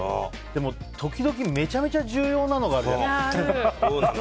でも時々めちゃくちゃ重要なのがあるよね。